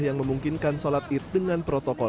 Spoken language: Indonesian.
yang memungkinkan sholat id dengan protokol